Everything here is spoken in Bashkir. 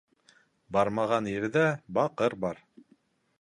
Бармаған ерҙә баҡыр бар